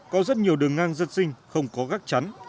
có rất nhiều đường ngang dân sinh không có gác chắn